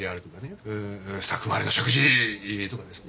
スタッフ周りの食事とかですね